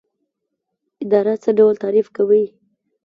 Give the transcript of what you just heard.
اداره څه ډول تعریف کوئ؟